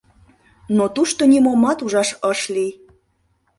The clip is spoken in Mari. Но тушто нимомат ужаш ыш лий.